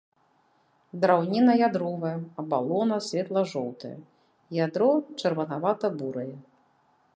Драўніна ядровая, абалона светла-жоўтая, ядро чырванавата-бурае.